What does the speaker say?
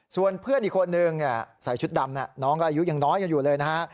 ส่วนเพื่อนอีกคนนึงใส่ชุดดำน้องก็อายุยังน้อยกันอยู่เลยนะฮะ